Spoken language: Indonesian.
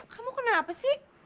kamu kenapa sih